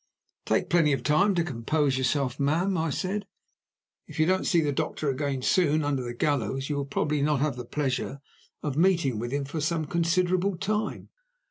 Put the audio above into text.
"Take plenty of time to compose yourself ma'am," I said. "If you don't see the doctor again soon, under the gallows, you will probably not have the pleasure of meeting with him for some considerable time."